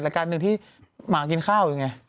การหนึ่งที่หมากินข้าวอยู่ไง